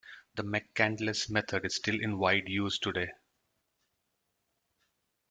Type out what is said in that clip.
The McCandless Method is still in wide use today.